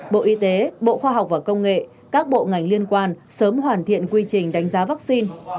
bộ y tế bộ khoa học và công nghệ các bộ ngành liên quan sớm hoàn thiện quy trình đánh giá vaccine